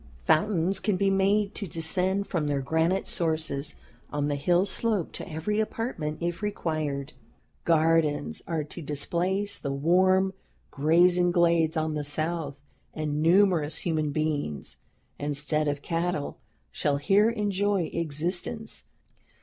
Fountains can be made to descend from their granite sources on the hill slope to every apartment if required. Gardens are to displace the warm grazing glades on the south, and numerous human beings, instead of cattle, shall here enjoy existence.